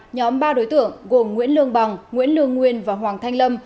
nhóm ba đối tượng gồm nguyễn lương bằng nguyễn lương nguyên và hoàng thanh lâm